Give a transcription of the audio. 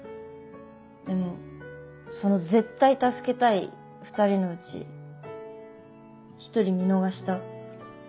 でもその絶対助けたい２人のうち１人見逃した。